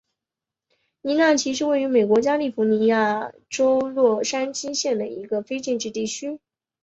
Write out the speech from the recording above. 尼纳奇是位于美国加利福尼亚州洛杉矶县的一个非建制地区。